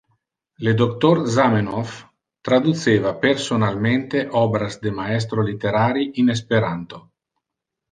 Le doctor Zamenhof traduceva personalmente obras de maestro litterari in esperanto.